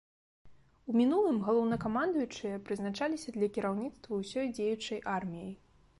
У мінулым галоўнакамандуючыя прызначаліся для кіраўніцтва ўсёй дзеючай арміяй.